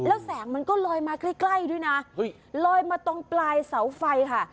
แล้วแสงมันก็ลอยมาใกล้ด้วยนะลอยมาตรงปลายเสาไฟค่ะ